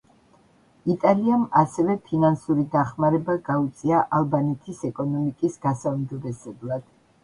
იტალიამ ასევე ფინანსური დახმარება გაუწია ალბანეთის ეკონომიკის გასაუმჯობესებლად.